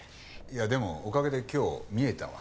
いやでもおかげで今日見えたわ。